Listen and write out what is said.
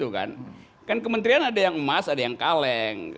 kan kementerian ada yang emas ada yang kaleng